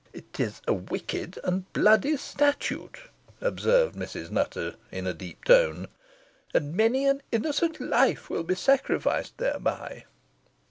"It is a wicked and bloody statute," observed Mrs. Nutter, in a deep tone, "and many an innocent life will be sacrificed thereby."